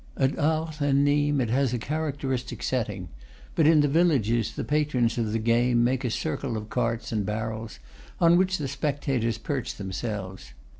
At Arles and Nimes it has a characteristic setting, but in the villages the patrons of the game make a circle of carts and barrels, on which the spectators perch themselves.